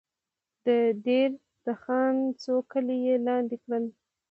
د دیر د خان څو کلي یې لاندې کړل.